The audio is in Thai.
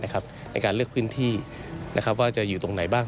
ในการเลือกพื้นที่ว่าจะอยู่ตรงไหนบ้าง